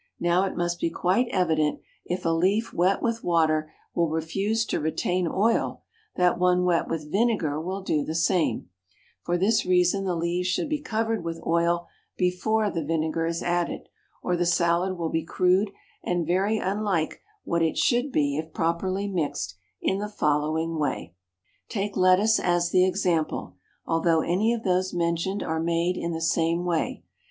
Now it must be quite evident, if a leaf wet with water will refuse to retain oil, that one wet with vinegar will do the same; for this reason the leaves should be covered with oil before the vinegar is added, or the salad will be crude and very unlike what it should be if properly mixed in the following way: Take lettuce as the example, although any of those mentioned are made in the same way.